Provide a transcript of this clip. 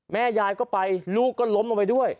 แม่ยายก็ไปลูกก็ล้มลงไปด้วย